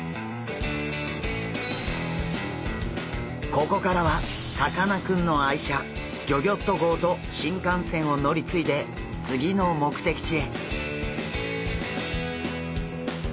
ここからはさかなクンの愛車ギョギョッと号と新幹線を乗り継いで次の目的地へ。